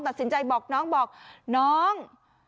ตัดสินใจบอกน้องบอกน้อง